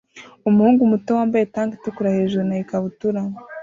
Umuhungu muto wambaye tank itukura hejuru na ikabutura